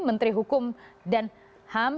menteri hukum dan ham